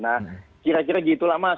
nah kira kira gitulah mas